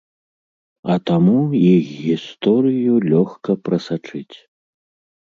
А таму іх гісторыю лёгка прасачыць.